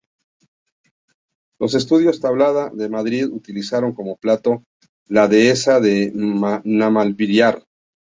Los Estudios Tablada de Madrid utilizaron como plató la dehesa de Navalvillar.